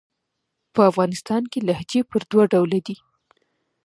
په افغانستان کښي لهجې پر دوه ډوله دي.